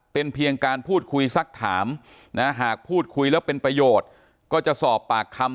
เป็นเพียงการพูดคุยสักถามนะหากพูดคุยแล้วเป็นประโยชน์ก็จะสอบปากคำ